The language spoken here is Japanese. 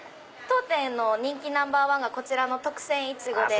当店の人気ナンバーワンがこちらの特撰苺で。